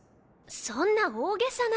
そんな大げさな。